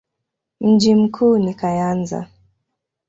Mji mkuu ni Kayanza.